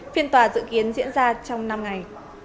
phiên tòa dự kiến diễn ra trong năm ngày